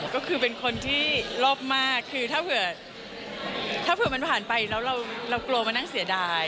ก็คือเป็นคนที่รอบมากคือถ้าเผื่อถ้าเผื่อมันผ่านไปแล้วเรากลัวมานั่งเสียดาย